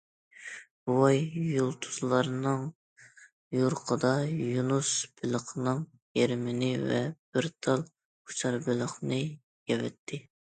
بوۋاي، يۇلتۇزلارنىڭ يورۇقىدا، يۇنۇس بېلىقىنىڭ يېرىمىنى ۋە بىر تال ئۇچار بېلىقنى يەۋەتتى.